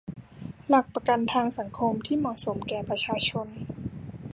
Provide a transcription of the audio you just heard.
หลักประกันทางสังคมที่เหมาะสมแก่ประชาชน